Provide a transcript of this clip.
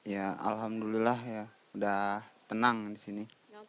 ya alhamdulillah ya udah tenang di sini